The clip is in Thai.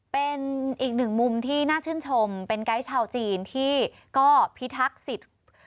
เป็นอีกหนึ่งมุมที่น่าชื่นชมเป็นไกด์ชาวจีนที่ก็พิทักษิต